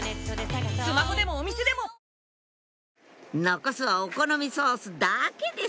残すはお好みソースだけです